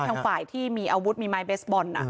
ทางฝ่ายที่มีอาวุธมีไม้เบสบอล